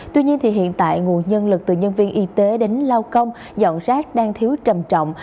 tuy nhiên hiện tại nguồn nhân lực từ nhân viên y tế đến lao công dọn rác đang thiếu trầm trọng